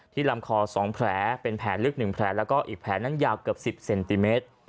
ลำคอ๒แผลเป็นแผลลึก๑แผลแล้วก็อีกแผลนั้นยาวเกือบ๑๐เซนติเมตร